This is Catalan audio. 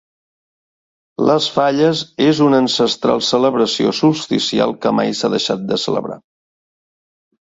Les falles és una ancestral celebració solsticial que mai s'ha deixat de celebrar.